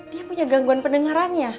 dia punya gangguan pendengarannya